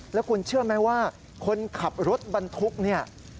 แล้วคุณเชื่อไหมว่าคนขับรถบรรทุกเนี่ย